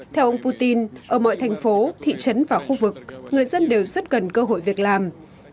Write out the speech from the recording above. theo ông putin ở mọi thành phố thị trấn và khu vực người dân đều rất cần cơ hội việc làm